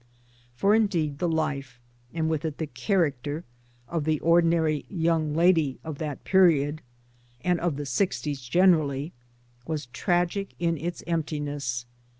For indeed the life, and with it the character, of the ordinary " young lady " of that period, and of the sixties generally, was tragic in its emptiness.